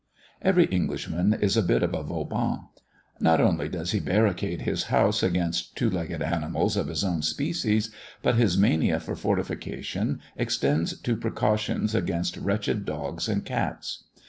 Every Englishman is a bit of a Vauban. Not only does he barricade his house against two legged animals of his own species, but his mania for fortification extends to precautions against wretched dogs and cats.